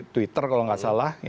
twitter kalau gak salah